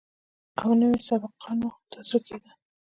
او نه مې سبقانو ته زړه کېده.